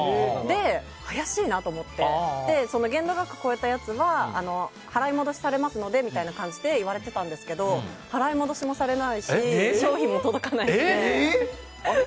怪しいなと思って限度額を超えたやつは払い戻しされますのでみたいな感じで言われてたんですけど払い戻しもされないし商品も届かないので。